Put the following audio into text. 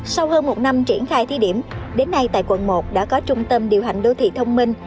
sau hơn một năm triển khai thí điểm đến nay tại quận một đã có trung tâm điều hành đô thị thông minh